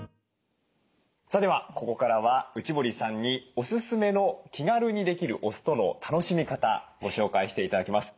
さあではここからは内堀さんにおすすめの気軽にできるお酢との楽しみ方ご紹介して頂きます。